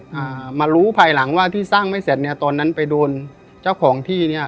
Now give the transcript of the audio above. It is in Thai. อ่ามารู้ภายหลังว่าที่สร้างไม่เสร็จเนี้ยตอนนั้นไปโดนเจ้าของที่เนี้ย